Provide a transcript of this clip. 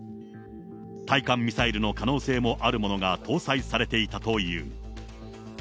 対艦ミサイルの可能性のあるものが搭載されていたという。